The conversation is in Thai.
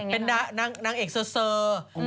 เป็นนางเอกเซอร์